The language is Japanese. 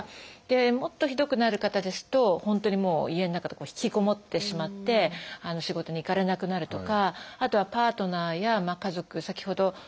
もっとひどくなる方ですと本当にもう家の中とか引きこもってしまって仕事に行かれなくなるとかあとはパートナーや家族先ほど大和田さん